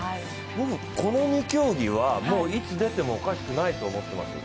この２競技はもういつ出てもおかしくないと思ってます。